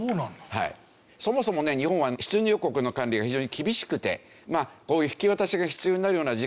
そもそもね日本は出入国の管理が非常に厳しくてこういう引き渡しが必要になるような事件